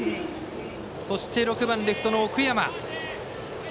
そして、打席には６番レフトの奥山。